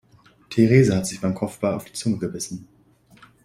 Theresa hat sich beim Kopfball auf die Zunge gebissen.